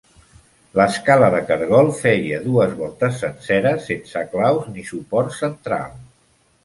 L'escala de caragol feia dues voltes senceres sense claus ni suport central.